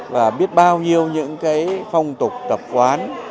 và biết bao nhiêu những cái phong tục tập quán